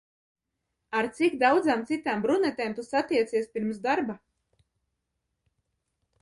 Ar cik daudzām citām brunetēm tu satiecies pirms darba?